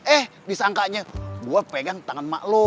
eh disangkanya gua pegang tangan mak lo